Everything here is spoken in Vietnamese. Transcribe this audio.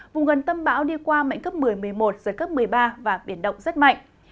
vùng gần tâm bão đi qua mạnh cấp một mươi một mươi một giật cấp một mươi ba và biển động rất mạnh